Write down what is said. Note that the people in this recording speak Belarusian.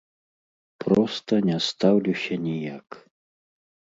Проста не стаўлюся ніяк.